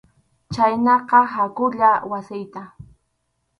Chhaynaqa hakuyá wasiyta.